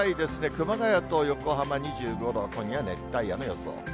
熊谷と横浜２５度、今夜、熱帯夜の予想です。